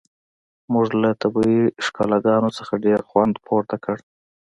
موږ له طبیعي ښکلاګانو څخه ډیر خوند پورته کړ